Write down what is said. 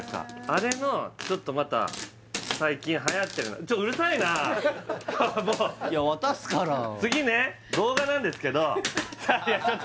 あれのちょっとまた最近はやってるいや渡すから次ね動画なんですけどいや